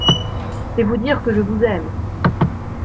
C’est vous dire que je vous aime.